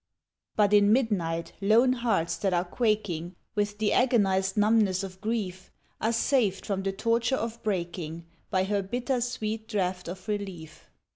But in midnight, lone hearts that are quaking, With the agonized numbness of grief, Are saved from the torture of breaking, By her bitter sweet draught of relief.